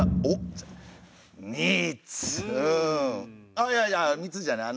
あいやいや三つじゃない。